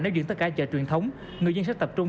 nơi diễn tất cả chợ truyền thống người dân sẽ tập trung